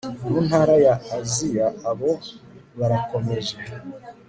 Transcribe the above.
mu ntara ya Aziya Abo barakomeje